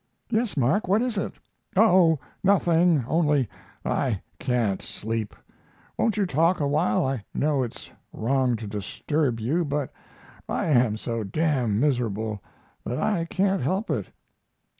"Yes, Mark, what is it?" "Oh, nothing, only I can't sleep. Won't you talk awhile? I know it's wrong to disturb you, but I am so d d miserable that I can't help it."